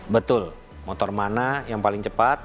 betul motor mana yang paling cepat